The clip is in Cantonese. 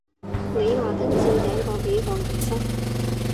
你話跟置頂嗰幾項原則？